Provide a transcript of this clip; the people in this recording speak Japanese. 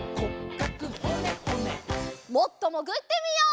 もっともぐってみよう。